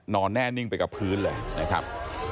แน่นิ่งไปกับพื้นเลยนะครับ